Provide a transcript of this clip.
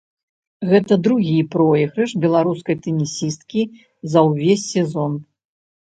Гэта другі пройгрыш беларускай тэнісісткі за ўвесь сезон.